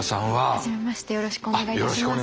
初めましてよろしくお願いいたします。